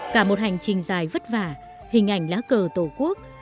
cả một hành trình dài vất vả hình ảnh lá cờ tổ quốc